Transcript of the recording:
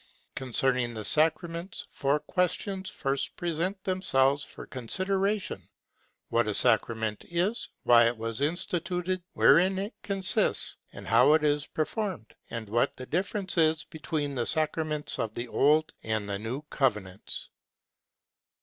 Concerning the sacraments, four questions first present them selves for consideration : what a sacrament is, why it was instituted ; wherein it consists, and how it is performed; and what the differ ence is between the sacraments of the old and the new covenants.